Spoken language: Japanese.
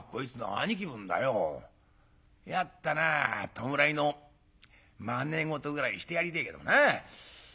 弱ったな弔いのまね事ぐらいしてやりてえけどな。